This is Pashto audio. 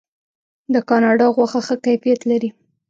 د کاناډا غوښه ښه کیفیت لري.